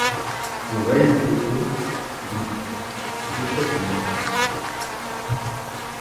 Son règne s'étend du jusqu'à sa mort.